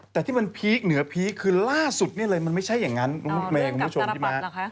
แต่ที่มันพีคเหนือพีคคือล่าสุดเนี่ยเลยมันไม่ใช่อย่างนั้นคุณผู้ชมพี่ม้า